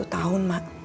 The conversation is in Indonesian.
satu tahun mak